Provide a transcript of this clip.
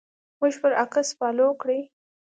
موږ پر اکس فالو کړئ